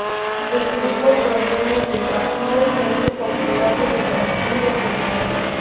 El grupo proviene del Partido-Frente Popular de Liberación de Turquía.